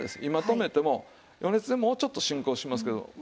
今止めても余熱でもうちょっと進行しますけど。